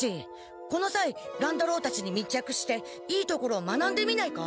このさい乱太郎たちに密着していいところを学んでみないか。